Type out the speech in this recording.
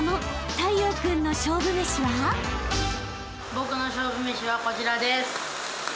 僕の勝負めしはこちらです。